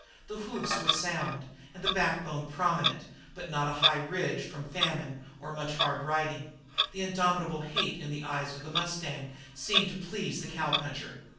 The hoofs were sound, the backbone prominent, but not a high ridge from famine or much hard riding, and the indomitable hate in the eyes of the mustang seemed to please the cowpuncher.